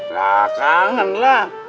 nah kangen lah